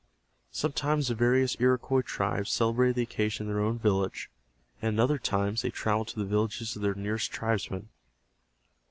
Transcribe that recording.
Sometimes the various Iroquois tribes celebrated the occasion in their own village, and at other times they traveled to the villages of their nearest tribesmen.